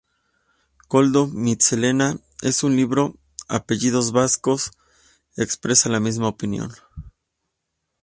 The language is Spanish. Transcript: Koldo Mitxelena en su libro "Apellidos Vascos" expresa la misma opinión.